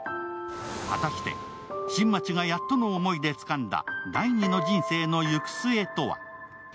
果たして新町がやっとの思いでつかんだ第２の人生の行く末とは。